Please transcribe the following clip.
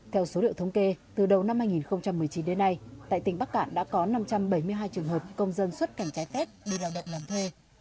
theo số liệu thống kê từ đầu năm hai nghìn một mươi chín đến nay tại tỉnh bắc cạn đã có năm trăm bảy mươi hai trường hợp công dân xuất cảnh trái phép đi lao động làm thuê